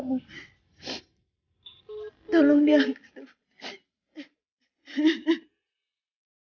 gue di dalam tempat tersebut